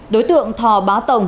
đối tượng thò bá tổng